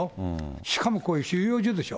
しかもこういう収容所でしょ。